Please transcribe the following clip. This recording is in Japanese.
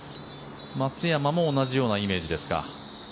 松山も同じようなイメージですか？